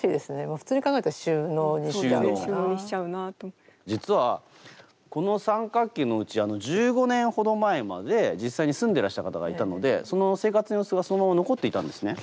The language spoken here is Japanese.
普通に考えたら実はこの三角形のうち１５年ほど前まで実際に住んでらした方がいたのでその生活の様子がそのまま残っていたんですね。